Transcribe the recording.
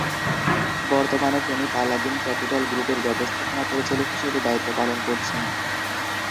বর্তমানে তিনি পালাদিন ক্যাপিটাল গ্রুপের ব্যবস্থাপনা পরিচালক হিসেবে দায়িত্ব পালন করছেন।